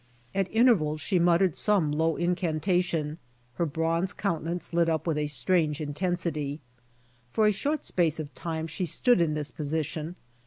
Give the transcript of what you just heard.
At intervals < she muttered some low incantation, her bronze countenance lit up with a strange intensity. For a short space of time she stood in this position.